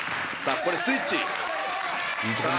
ここでスイッチさあ